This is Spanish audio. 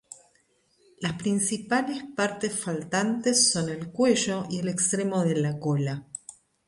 Las principales partes faltantes son el cuello y el extremo de la cola.